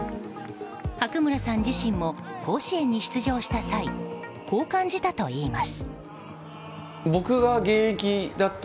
白村さん自身も甲子園に出場した際こう感じたといいます。